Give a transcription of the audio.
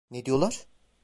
Ne diyorlar?